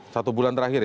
satu bulan terakhir ya